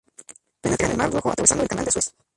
Penetra en el mar Rojo atravesando el canal de Suez.